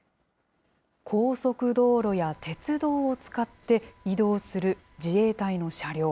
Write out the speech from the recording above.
高速道路や鉄道を使って移動する自衛隊の車両。